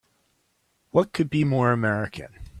What could be more American!